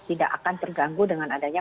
tidak akan terganggu dengan adanya